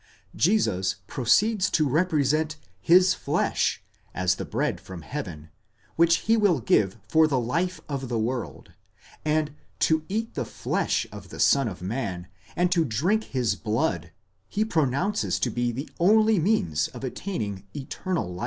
Jesus proceeds to represent his flesh as the bread from heaven, which he will give for the life of the world, and / eat the flesh of the Son of Man, and to drink his blood, he pronounces to be the only means of attaining eternal life.